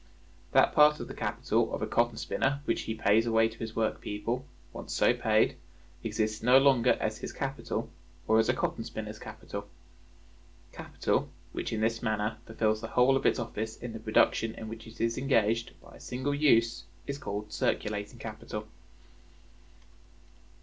That part of the capital of a cotton spinner which he pays away to his work people, once so paid, exists no longer as his capital, or as a cotton spinner's capital. Capital which in this manner fulfills the whole of its office in the production in which it is engaged, by a single use, is called Circulating Capital.